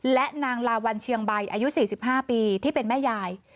และนางลาวัลเชียงใบอายุ๔๕ปีที่เป็นแม่ยาย